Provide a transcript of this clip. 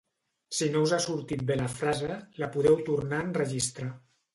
si no us ha sortit bé la frase la podeu tornar a enregistrar